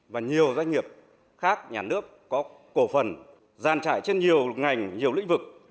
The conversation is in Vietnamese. và nhiều doanh nghiệp khác nhà nước có cổ phần gian trải trên nhiều ngành nhiều lĩnh vực